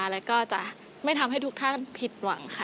แล้วก็จะไม่ทำให้ทุกท่านผิดหวังค่ะ